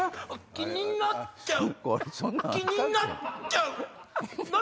気になっちゃう。